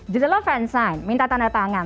judullah fansign minta tanda tangan